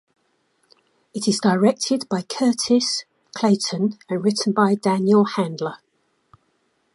It is directed by Curtiss Clayton and written by Daniel Handler.